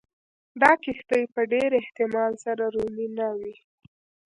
دا کښتۍ په ډېر احتمال سره رومي نه وې